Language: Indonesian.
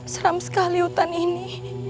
seram sekali hutan ini